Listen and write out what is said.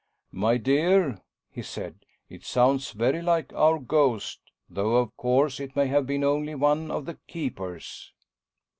"My dear," he said. "It sounds very like our ghost, though, of course, it may have been only one of the keepers."